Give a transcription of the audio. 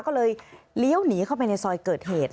ก็เลยเลี้ยวหนีเข้าไปในซอยเกิดเหตุ